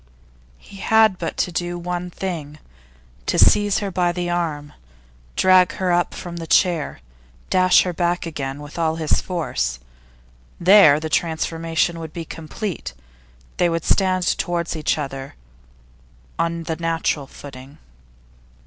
He had but to do one thing: to seize her by the arm, drag her up from the chair, dash her back again with all his force there, the transformation would be complete, they would stand towards each other on the natural footing.